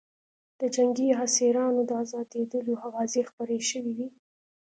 د جنګي اسیرانو د ازادېدلو اوازې خپرې شوې وې